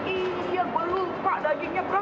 iya belul pak dagingnya brak